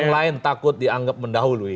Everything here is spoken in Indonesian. ya saya juga takut dianggap mendahului